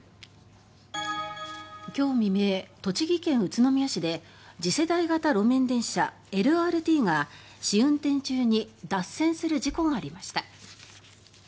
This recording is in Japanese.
今日未明、栃木県宇都宮市で次世代型路面電車・ＬＲＴが試運転中に脱線する事故がありました。